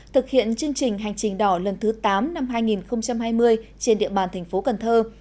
thực hiện chương trình hành trình đỏ lần thứ tám năm hai nghìn hai mươi trên địa bàn thành phố cần thơ